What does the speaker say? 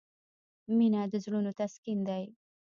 • مینه د زړونو تسکین دی.